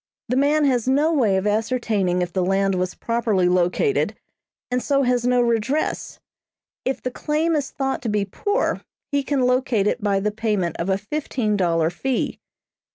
The man has no way of ascertaining if the land was properly located, and so has no redress. If the claim is thought to be poor, he can locate it by the payment of a fifteen dollar fee.